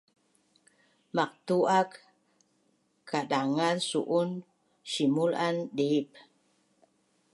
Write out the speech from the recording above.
maqtu ak kadangaz su’un simul an dip